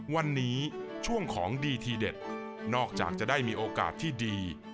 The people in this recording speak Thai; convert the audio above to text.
วันนี้ช่วงของดีทีเด็ดนอกจากจะได้มีโอกาสที่ดี